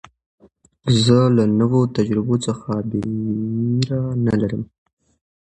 زه له نوو تجربو څخه بېره نه لرم.